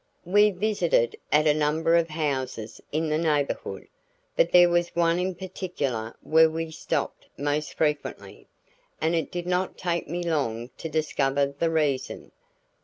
We visited at a number of houses in the neighborhood, but there was one in particular where we stopped most frequently, and it did not take me long to discover the reason.